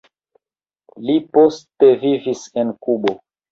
Li poste vivis en Kubo.